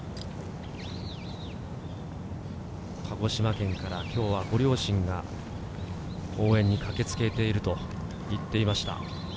鹿児島県から今日はご両親が応援に駆けつけていると言っていました。